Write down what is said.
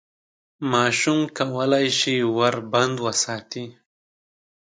ماشوم کولای شي ور بند وساتي.